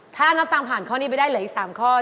ถ้าน้ำตาลผ่านข้อนี้ไปได้เหลืออีก๓ข้อ